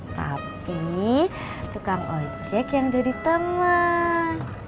tapi tukang ojek yang jadi teman